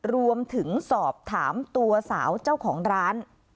รวมถึงสอบถามตัวสาวเจ้าของร้าน